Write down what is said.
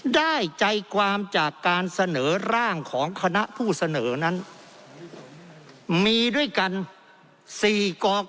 ได้ใจความจากการเสนอร่างของคณะผู้เสนอนั้นมีด้วยกัน๔กอก